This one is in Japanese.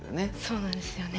そうなんですよね。